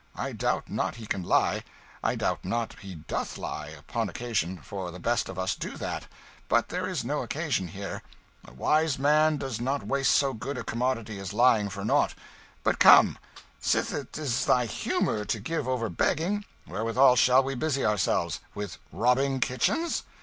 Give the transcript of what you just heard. I doubt not he can lie; I doubt not he doth lie, upon occasion, for the best of us do that; but there is no occasion here. A wise man does not waste so good a commodity as lying for nought. But come; sith it is thy humour to give over begging, wherewithal shall we busy ourselves? With robbing kitchens?"